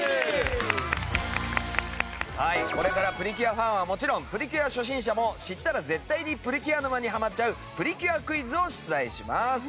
はいこれからプリキュアファンはもちろんプリキュア初心者も知ったら絶対にプリキュア沼にハマっちゃうプリキュアクイズを出題します。